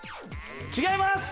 違います！